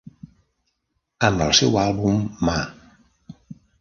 Amb el seu àlbum Ma!